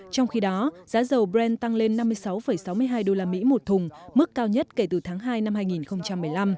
trong khi đó giá dầu brent tăng lên năm mươi sáu sáu mươi hai usd một thùng mức cao nhất kể từ tháng hai năm hai nghìn một mươi năm